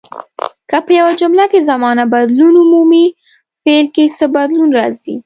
که په یوه جمله کې زمانه بدلون ومومي فعل کې څه بدلون راځي.